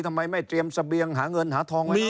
ทำไมไม่เตรียมเสบียงหาเงินหาทองนี้